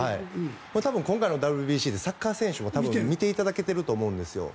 多分、今回のＷＢＣってサッカー選手も見ていただけていると思うんですよ。